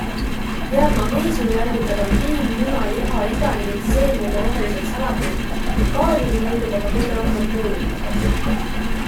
Head magneesiumiallikad on piim, muna, liha, idandid, seemned ja rohelised salatid, kaaliumi leidub aga kõige rohkem puuviljades.